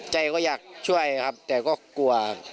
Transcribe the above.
ใจก็อยากช่วยครับแต่ก็กลัว